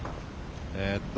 えっと。